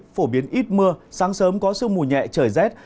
phổ biến ít mưa sáng sớm có sương mù nhẹ trời rét